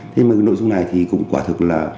thế mà cái nội dung này thì cũng quả thực là